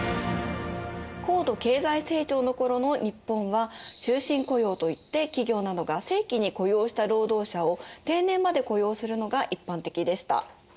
高度経済成長の頃の日本は終身雇用といって企業などが正規に雇用した労働者を定年まで雇用するのが一般的でした。